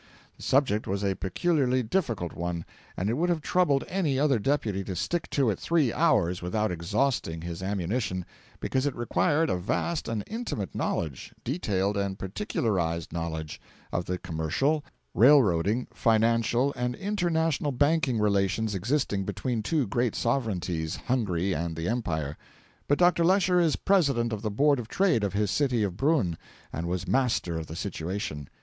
The subject was a peculiarly difficult one, and it would have troubled any other deputy to stick to it three hours without exhausting his ammunition, because it required a vast and intimate knowledge detailed and particularised knowledge of the commercial, railroading, financial, and international banking relations existing between two great sovereignties, Hungary and the Empire. But Dr. Lecher is President of the Board of Trade of his city of Brunn, and was master of the situation.